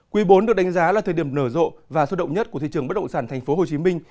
quý bốn được đánh giá là thời điểm nở rộ và xuất động nhất của thị trường bất động sản thành phố hồ chí minh